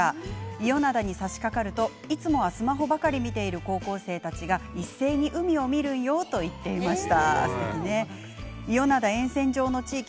伊予灘にさしかかるといつもはスマホばかり見ている高校生たちが一斉に海を見るよと言っていました。